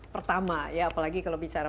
pertama apalagi kalau bicara